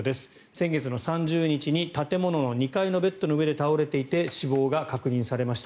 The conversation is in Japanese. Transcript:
先月３０日に建物の２階のベッドの上で倒れていて死亡が確認されました。